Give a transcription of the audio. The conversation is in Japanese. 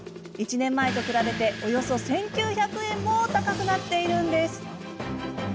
１年前と比べておよそ１９００円も高くなっているんです。